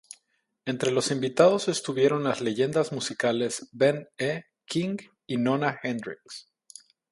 Entre los invitados estuvieron las leyendas musicales Ben E. King y Nona Hendrix.